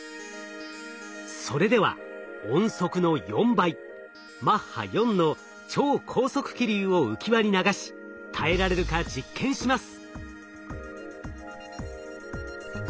それでは音速の４倍マッハ４の超高速気流を浮き輪に流し耐えられるか実験します。